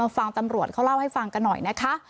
ฟังตำรวจเขาเล่าให้ฟังกันหน่อยนะคะ